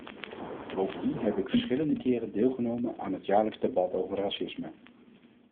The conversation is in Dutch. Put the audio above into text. Bovendien heb ik verschillende keren deelgenomen aan het jaarlijkse debat over racisme.